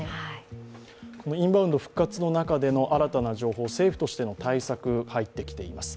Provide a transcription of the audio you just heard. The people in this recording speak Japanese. インバウンド復活の中での新たな情報、政府としての対策が入ってきています。